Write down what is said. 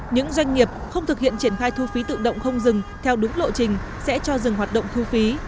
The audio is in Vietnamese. những doanh nghiệp không thực hiện triển khai thu phí tự động không dừng theo đúng lộ trình sẽ cho dừng hoạt động thu phí